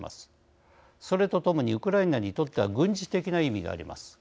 それと共にウクライナにとっては軍事的な意味があります。